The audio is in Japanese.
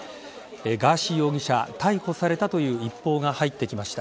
ガーシー容疑者逮捕されたという一報が入ってきました。